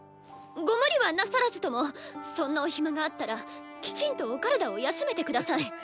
ご無理はなさらずともそんなお暇があったらきちんとお体を休めてください。